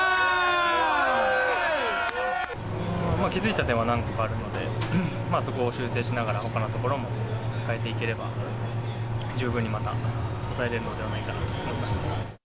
気付いた点は何個かあるので、そこを修正しながら、ほかのところも変えていければ、十分にまた抑えれるのではないかなと思います。